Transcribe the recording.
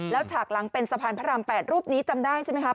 แล้วฉากหลังเป็นสะพานพระราม๘รูปนี้จำได้ใช่ไหมครับ